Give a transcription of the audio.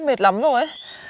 mệt lắm rồi